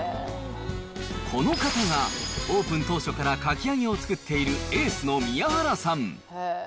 この方が、オープン当初からかき揚げを作っているエースの宮原さん。